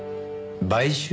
買収？